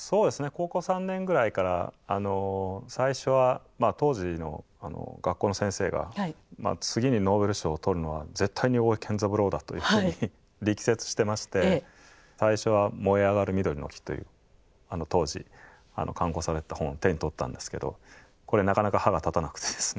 高校３年ぐらいから最初は当時の学校の先生が次にノーベル賞を取るのは絶対に大江健三郎だというふうに力説してまして最初は「燃えあがる緑の木」という当時刊行されてた本を手に取ったんですけどこれなかなか歯が立たなくてですね。